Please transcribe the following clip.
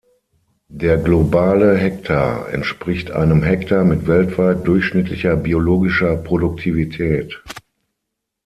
Der Globale Hektar entspricht einem Hektar mit weltweit durchschnittlicher biologischer Produktivität.